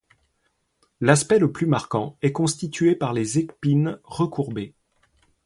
L'aspect le plus marquant est constitué par les épines recourbées.